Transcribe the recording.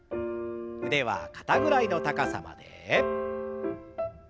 腕は肩ぐらいの高さまで。